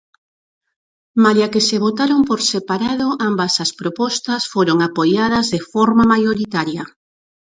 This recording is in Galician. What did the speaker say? Malia que se votaron por separado, ambas as propostas foron apoiadas de forma maioritaria.